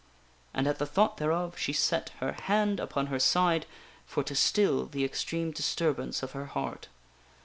" And at the thought thereof, she set her hand upon her side for to still the extreme disturbance of her heart.